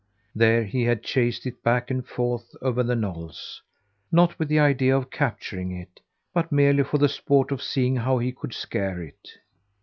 There he had chased it back and forth over the knolls not with the idea of capturing it, but merely for the sport of seeing how he could scare it.